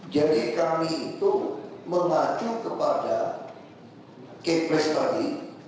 jadi kami itu mengacu kepada kepres tadi